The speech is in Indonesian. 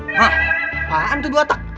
apaan tuh dua tak